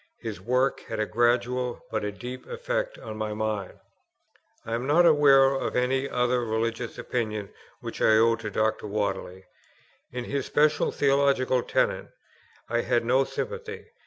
His work had a gradual, but a deep effect on my mind. I am not aware of any other religious opinion which I owe to Dr. Whately. In his special theological tenets I had no sympathy.